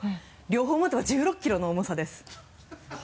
両方持てば１６キロの重さです。